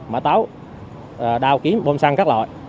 mã táo đào kiếm bom xăng các loại